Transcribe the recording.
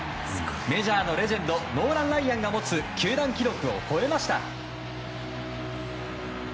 メジャーのレジェンドノーラン・ライアンが持つ球団記録を超えました。